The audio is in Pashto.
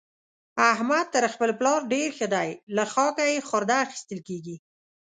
احمد تر خپل پلار ډېر ښه دی؛ له خاکه يې خورده اخېستل کېږي.